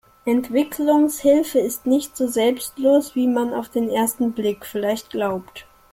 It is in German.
Entwicklungshilfe ist nicht so selbstlos, wie man auf den ersten Blick vielleicht glaubt.